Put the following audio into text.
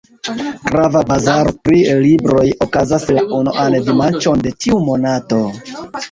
Grava bazaro pri libroj okazas la unuan dimanĉon de ĉiu monato.